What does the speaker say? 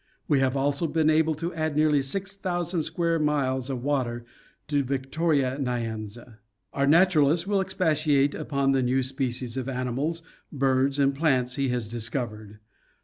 We have also been able to add nearly six thousand square miles of water to Victoria Nyanza. Our naturalist will expatiate upon the new species of animals, birds and plants he has discovered.